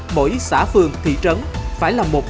mỗi xã phường thị trấn phải là một